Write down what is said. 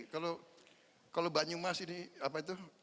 kalau banyumas ini apa itu